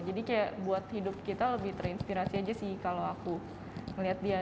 jadi kayak buat hidup kita lebih terinspirasi aja sih kalau aku ngeliat dia